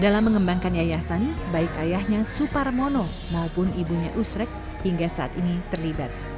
dalam mengembangkan yayasan baik ayahnya suparmono maupun ibunya usrek hingga saat ini terlibat